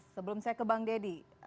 sebelum saya ke bang deddy